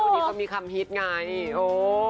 วันนี้เขามีคำฮิตไงโอ้